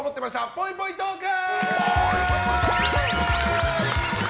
ぽいぽいトーク！